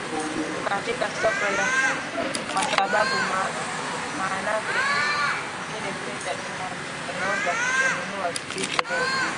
katika soko la kwa sababu maanake ile fedha inaweza kununua vitu vingi